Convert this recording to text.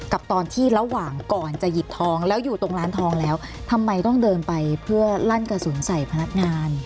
กับตอนที่ระหว่างก่อนจะหยิบทองแล้วอยู่ตรงร้านทองแล้วทำไมต้องเดินไปเพื่อลั่นกระสุนใส่พนักงาน